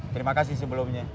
terima kasih sebelumnya